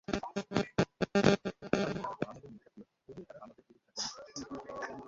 কারণ তারাতো আমাদের নিকটাত্মীয়, যদিও তারা আমাদের বিরুদ্ধাচারণ করছে।